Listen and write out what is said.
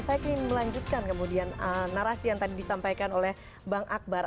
saya ingin melanjutkan kemudian narasi yang tadi disampaikan oleh bang akbar